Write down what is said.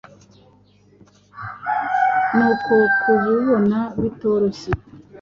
nuko kububona bitoroshye